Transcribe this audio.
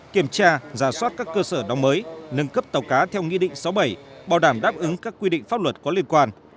kiểm tra giả soát các cơ sở đóng mới nâng cấp tàu cá theo nghị định sáu bảy bảo đảm đáp ứng các quy định pháp luật có liên quan